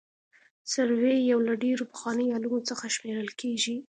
سروې یو له ډېرو پخوانیو علومو څخه شمېرل کیږي